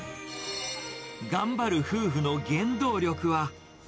頑張る夫婦の原動力は。